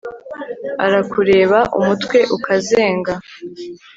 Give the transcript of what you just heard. Arakureba umutwe ukazenga